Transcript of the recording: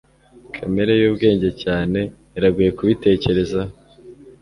Kamere yubwenge cyane iragoye kubitekerezo